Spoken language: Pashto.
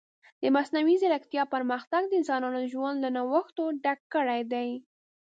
د مصنوعي ځیرکتیا پرمختګ د انسانانو ژوند له نوښتونو ډک کړی دی.